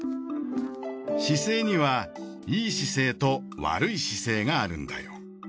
姿勢にはいい姿勢と悪い姿勢があるんだよ。